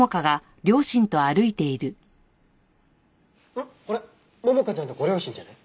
あっこれ桃香ちゃんとご両親じゃない？